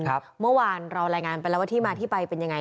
เมื่อวานเรารายงานไปแล้วว่าที่มาที่ไปเป็นยังไง